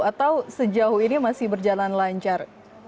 atau sejauh ini masih berjalan lancar